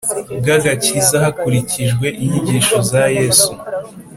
Bw agakiza hakurikijwe inyigisho za yesu